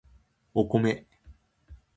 お米